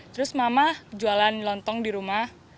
terus mama jualan lontong di rumah